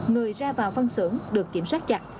người ra vào phân xử được kiểm soát